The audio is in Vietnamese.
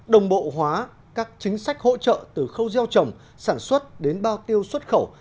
đồng bộ hóa các chính sách hỗ trợ từ khâu gieo trồng sản xuất đến bao tiêu xuất khẩu